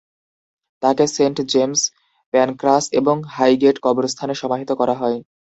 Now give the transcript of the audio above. তাকে saint James, Pancras এবং Highgate কবরস্থানে সমাহিত করা হয়।